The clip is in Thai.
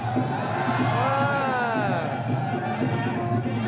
อาห์